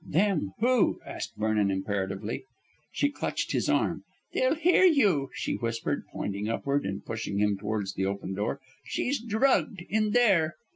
"Them? Who?" asked Vernon imperatively. She clutched his arm. "They'll hear you," she whispered, pointing upward, and pushed him towards the open door. "She's drugged in there."